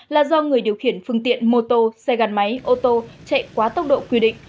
là do người điều khiển phương tiện mô tô xe gắn máy ô tô chạy quá tốc độ quy định